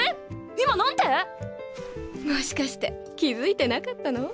今なんて⁉もしかして気付いてなかったの？